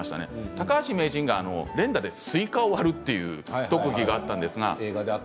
高橋名人が連打でスイカを割るという特技がありました。